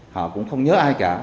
họ cũng không nhớ ai cả